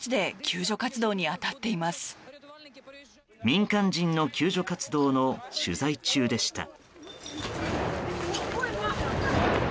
民間人の救助活動の取材中でした。